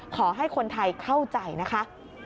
ขอให้คนไทยเข้าใจนะคะ